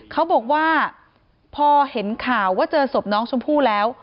เขาบอกว่าพอเห็นข่าวว่าเจอศพน้องชมพู่แล้ว